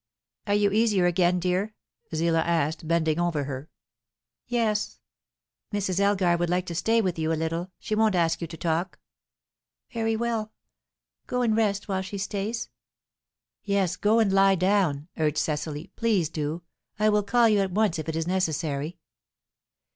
"Are you easier again, dear?" Zillah asked, bending over her. "Yes." "Mrs. Elgar would like to stay with you a little. She won't ask you to talk." "Very well. Go and rest while she stays." "Yes, go and lie down," urged Cecily. "Please do! I will call you at once if it is necessary."